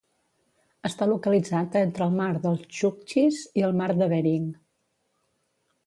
Està localitzat entre el Mar dels Txuktxis i el Mar de Bering.